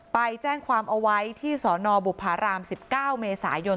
ไปแจ้งความเอาไว้ที่สนบุภาราม๑๙เมษายน